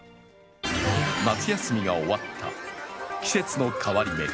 夏休みが終わった季節の変わり目。